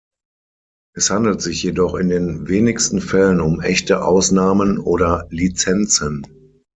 Es handelt sich jedoch in den wenigsten Fällen um echte Ausnahmen oder Lizenzen.